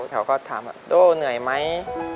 เขาก็ถามโด่เหนื่อยไหม